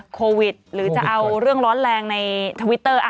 โควิดหรือจะเอาเรื่องร้อนแรงในทวิตเตอร์